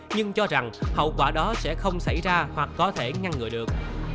nhưng cho rằng hậu quả đó sẽ không xảy ra hoặc có thể ngăn ngừa được